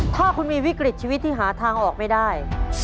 ถ้าคุณมีวิกฤตชีวิตที่หาทางออกไม่ได้